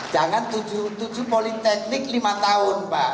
jangan tujuh politeknik lima tahun pak